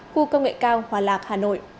khu công nghệ cao hòa lạc hà nội